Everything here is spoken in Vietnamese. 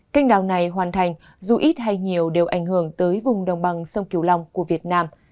canh đào này hoàn thành dù ít hay nhiều đều ảnh hưởng tới vùng đồng bằng sông kiều long của việt nam